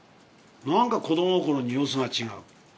なんか子ども心に様子が違う。